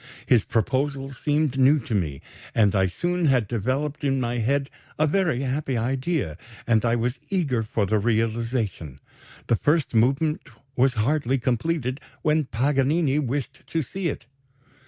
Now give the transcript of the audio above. "His proposal seemed new to me, and I soon had developed in my head a very happy idea, and I was eager for the realization. The first movement was hardly completed, when Paganini wished to see it.